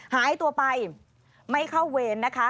หายตัวไปไม่เข้าเวรนะคะ